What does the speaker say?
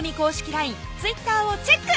ＬＩＮＥ・Ｔｗｉｔｔｅｒをチェック！